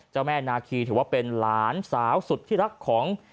เจ้าแม่นาคีถือว่าเป็นหลานสาวสุดที่รักของ